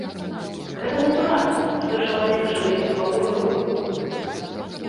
Гэта натуральна, што чалавек жыве, пакуль рухаецца.